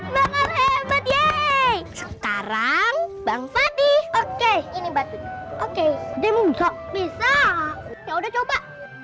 sekarangprofesi okenumber atau bisa yaudah coba